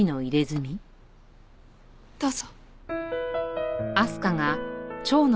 どうぞ。